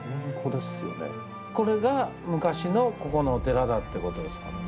これが昔のここのお寺だってことですかね。